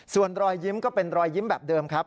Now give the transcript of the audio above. ส่วนรอยยิ้มก็เป็นรอยยิ้มแบบเดิมครับ